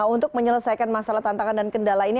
untuk menyelesaikan masalah tantangan dan kendala ini